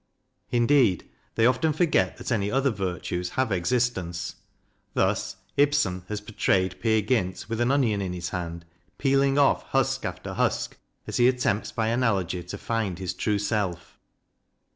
Indeed, they often forget that any other virtues have existence. Thus, Ibsen has por trayed Peer Gynt with an onion in his hand, peeling off husk after husk as he attempts by analogy to find his true self.